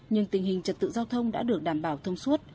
nhưng tình hình trật tự giao thông đã được đảm bảo thông suốt